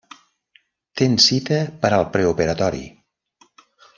Tens cita per al preoperatori.